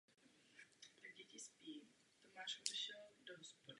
Díky tomu se staly lodě pro přepravu hromadného nákladu většími a více specializovanými.